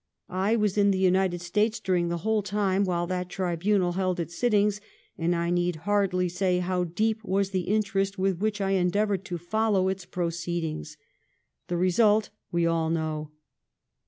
I was in the United States during the whole time while that tribunal held its sittings, and I need hardly say how deep was the interest with which I endeavored to fol low its proceedings. The result we all know.